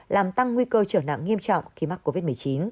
làm tăng nguy cơ trở nặng nghiêm trọng khi mắc covid một mươi chín